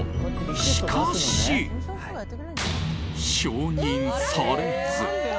しかし、承認されず。